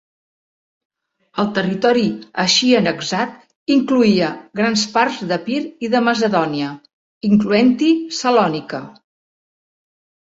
El territori així annexat incloïa grans parts d'Epir i Macedònia, incloent-hi Salònica.